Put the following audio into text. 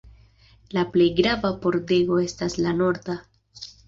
La plej grava pordego estas la norda.